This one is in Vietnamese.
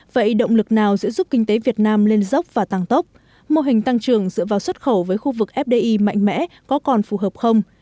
vậy động lực nào sẽ giúp kinh tế việt nam lên dốc và tăng tốc mô hình tăng trưởng dựa vào xuất khẩu với khu vực fdi mạnh mẽ có còn phù hợp không